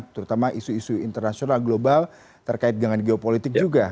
terutama isu isu internasional global terkait dengan geopolitik juga